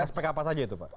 aspek apa saja itu pak